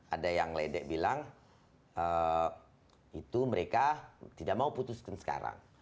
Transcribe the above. ada yang ledek bilang itu mereka tidak mau putuskan sekarang